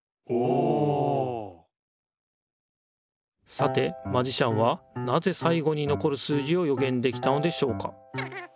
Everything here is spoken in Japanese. さてマジシャンはなぜさいごにのこる数字をよげんできたのでしょうか？